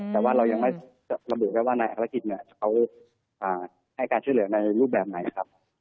แต่ว่าเรายังไม่รู้ว่านายศาสนาลักษณะกิจเขาให้การช่วยเหลือในรูปแบบไหนครับ